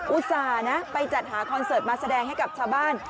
ส่าห์นะไปจัดหาคอนเสิร์ตมาแสดงให้กับชาวบ้าน